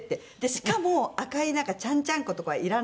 しかも赤いちゃんちゃんことかはいらないので。